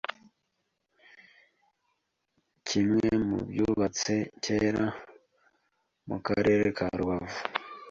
kimwe mu byubatse kera mu Karere ka Rubavu